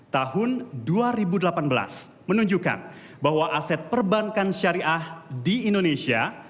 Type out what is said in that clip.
tahun dua ribu delapan belas menunjukkan bahwa aset perbankan syariah di indonesia